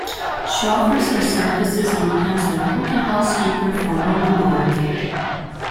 She offers her services and becomes their cook and housekeeper for room and board.